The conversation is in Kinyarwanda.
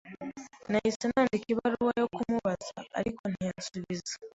Nahise nandika ibaruwa yo kumubaza, ariko ntiyansubiza.